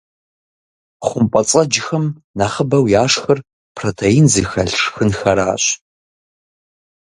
ХъумпӀэцӀэджхэм нэхъыбэу яшхыр протеин зыхэлъ шхынхэращ.